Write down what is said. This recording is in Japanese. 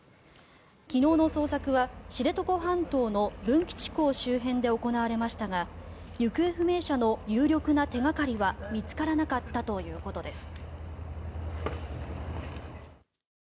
昨日の捜索は知床半島の文吉港周辺で行われましたが行方不明者の有力な手掛かりは見つからなかったということです。